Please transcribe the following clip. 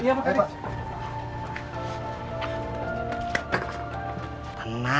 tidak ada apa apa